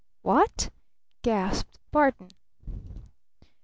"What?" gasped Barton.